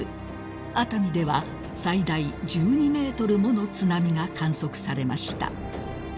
［熱海では最大１２ｍもの津波が観測されました］